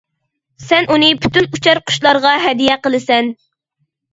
سەن ئۇنى پۈتۈن ئۇچار قۇشلارغا ھەدىيە قىلىسەن.